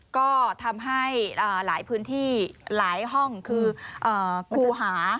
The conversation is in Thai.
ก็ทำให้หลายพื้นที่หลายห้องคือครูหา